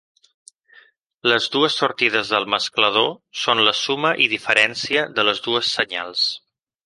Les dues sortides del mesclador són la suma i diferència de les dues senyals.